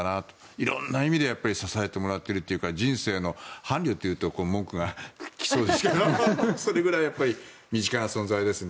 いろいろな意味で支えてもらっているというか人生の伴侶というと文句が来そうですけどそれぐらい身近な存在ですね。